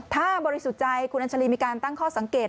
ถ้าบริสุจัยคุณอัญชรีมีการตั้งข้อสังเกต